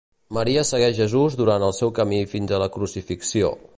Maria segueix Jesús durant el seu camí fins a la Crucifixió.